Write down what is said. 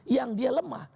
yang dia lemah